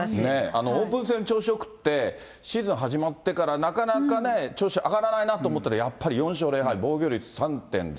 オープン戦調子よくって、シーズン始まってからなかなかね、調子上がらないなと思ったら、やっぱり４勝０敗、防御率３．０。